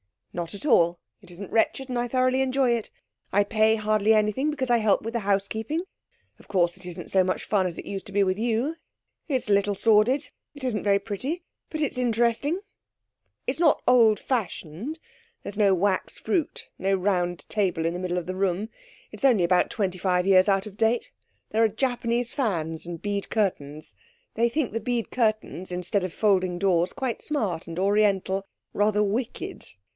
'Not at all. It isn't wretched, and I thoroughly enjoy it. I pay hardly anything, because I help with the housekeeping. Of course it isn't so much fun as it used to be with you. It's a little sordid; it isn't very pretty but it's interesting. It's not old fashioned; there's no wax fruit, nor round table in the middle of the room. It's only about twenty five years out of date. There are Japanese fans and bead curtains. They think the bead curtains instead of folding doors quite smart and Oriental rather wicked.